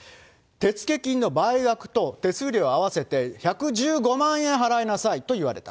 手付金の倍額と手数料合わせて１１５万円払いなさいと言われた。